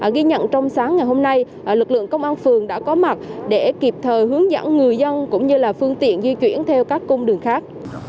ghi nhận trong sáng ngày hôm nay lực lượng công an phường đã có mặt để kịp thời hướng dẫn người dân cũng như là phương tiện di chuyển theo các cung đường khác